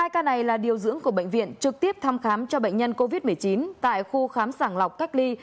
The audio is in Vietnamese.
hai ca này là điều dưỡng của bệnh viện trực tiếp thăm khám cho bệnh nhân covid một mươi chín tại khu khám sản lọc cách ly